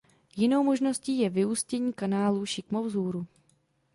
Jinou možností je vyústění kanálů šikmo vzhůru.